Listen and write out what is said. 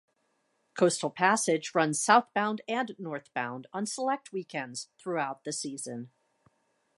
Coastal Passage runs southbound and northbound on select weekends throughout the season.